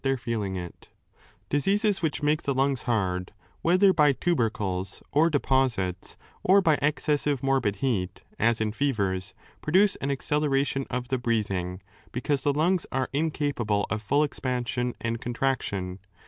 XVII. EXTINCTION OF LIFE 323 hard, whether by tubercles or deposits or by excessive morbid heat, as in fevers, produce an acceleration of the breathing, because the lungs are incapable of full expansion and contraction.